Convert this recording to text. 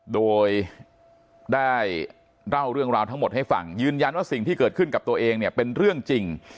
โดยได้เล่าเรื่องราวทั้งหมดให้ฟังยืนยันว่าสิ่งที่เกิดขึ้นกับตัวเองเนี่ยเป็นเรื่องจริง